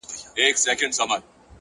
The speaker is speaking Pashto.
پرمختګ د زده کړې له دوام زېږي؛